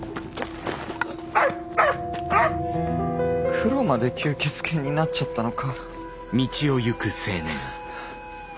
クロまで吸血犬になっちゃったのか。